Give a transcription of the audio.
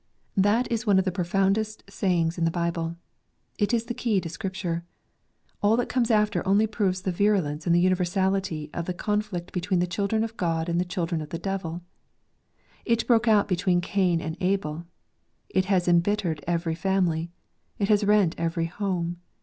That is one of the profoundest sayings in the i6 4 )\ Bible. It is the key to Scripture. All that comes after only proves the virulence and the universality of the con flict between the children of God and the children of the devil. It broke out between Cain and Abel. It has em bittered every family. It has rent every home.